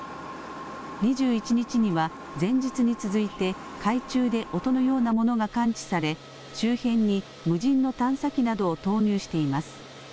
２１日には前日に続いて海中で音のようなものが感知され周辺に無人の探査機などを投入しています。